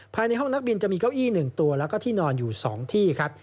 ภายในห้องนักบินจะมีเก้าอี้๑ตัวแล้วก็ที่นอนอยู่๒ที่ครับ